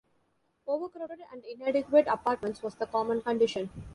Overcrowded and inadequate apartments was the common condition.